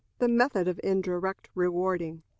The Method of Indirect Rewarding.